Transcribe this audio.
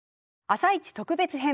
「あさイチ特別編」